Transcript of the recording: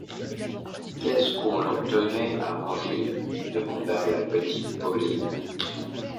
Qu’est-ce qu’on leur donnait à manger ? demanda la petite Pauline.